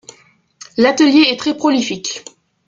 L'atelier est très prolifique.